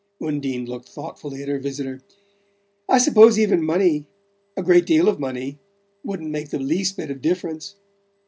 Undine looked thoughtfully at her visitor. "I suppose even money a great deal of money wouldn't make the least bit of difference?"